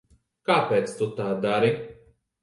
Kāpēc tu tā dari?